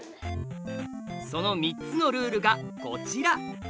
その３つのルールがこちら！